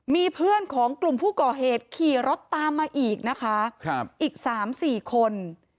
มีเพื่อนของกลุ่มผู้ก่อเหตุขี่รถตามมาอีกนะคะอีก๓๔คน